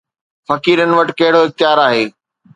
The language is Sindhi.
فقيرن وٽ ڪهڙو اختيار آهي؟